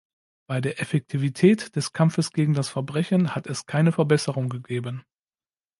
Bei der Effektivität des Kampfes gegen das Verbrechen hat es keine Verbesserung gegeben.